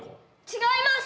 違います！